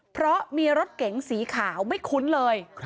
เพราะมีรถเก๋งสีขาวไม่คุ้นเลย